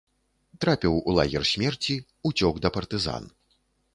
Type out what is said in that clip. Трапіў у лагер смерці, уцёк да партызан.